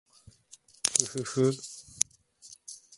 ふふふ